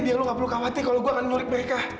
biar lo gak perlu khawatir kalau gue akan nyurik mereka